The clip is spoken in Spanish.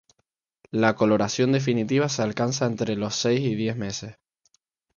La coloración definitiva se alcanza entre los seis y diez meses.